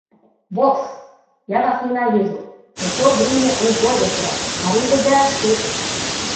Босс, я вас ненавижу. Пришло время уволиться, аривидерчи!